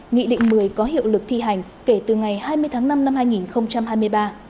nghị định một mươi có hiệu lực thi hành kể từ ngày hai mươi tháng năm năm hai nghìn hai mươi ba